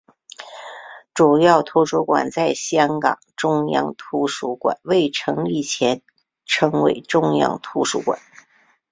主要图书馆在香港中央图书馆未成立前称为中央图书馆。